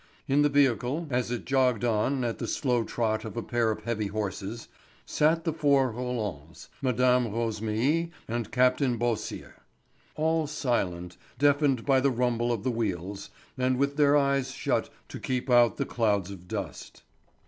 In the vehicle, as it jogged on at the slow trot of a pair of heavy horses, sat the four Rolands, Mme. Rosémilly, and Captain Beausire, all silent, deafened by the rumble of the wheels, and with their eyes shut to keep out the clouds of dust.